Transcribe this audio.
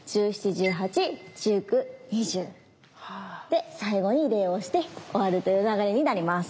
１７１８１９２０で最後に礼をして終わるという流れになります。